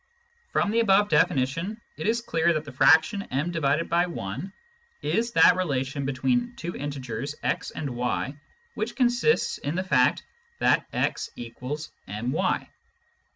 From the above definition it is clear that the fraction m/\ is that relation between two integers x and y which consists in the fact that x=my.